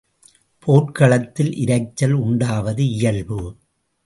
போர்க்களத்தில் இரைச்சல் உண்டாவது இயல்பு.